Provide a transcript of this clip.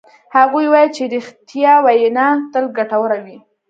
هغوی وایي چې ریښتیا وینا تل ګټوره وی